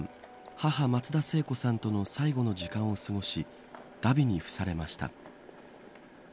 母、松田聖子さんとの最後の時間を過ごし荼毘に付されました。